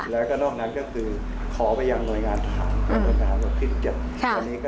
และก็นอกนั้นก็คือขอบายังหน่วยงานภารค์